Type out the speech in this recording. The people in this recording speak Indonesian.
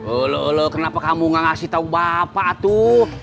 olololoh kenapa kamu gak ngasih tau bapak tuh